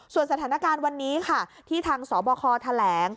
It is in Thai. ส่วนสถานการณ์วันนี้ค่ะที่ทางสบคแถลง